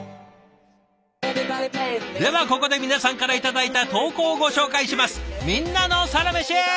ではここで皆さんから頂いた投稿をご紹介します。